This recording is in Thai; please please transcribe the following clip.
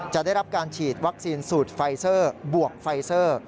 ได้รับการฉีดวัคซีนสูตรไฟเซอร์บวกไฟเซอร์